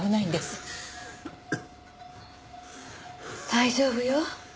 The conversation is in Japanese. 大丈夫よ。